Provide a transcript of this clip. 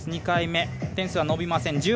２回目、点数は伸びません。